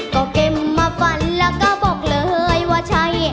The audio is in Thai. ก็เก็บมาฝันแล้วก็บอกเลยว่าใช่